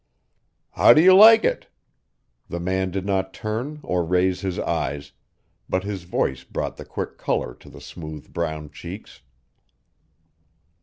"How do you like it?" The man did not turn or raise his eyes, but his voice brought the quick color to the smooth, brown cheeks.